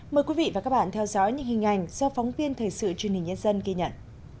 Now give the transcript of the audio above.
mời quý vị và các bạn theo dõi những hình ảnh do phóng viên thời sự truyền hình nhân dân ghi nhận